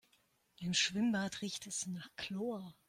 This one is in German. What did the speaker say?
Im Schwimmbad riecht es nach Chlor.